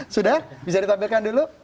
sudah bisa ditampilkan dulu